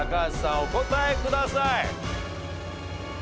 お答えください。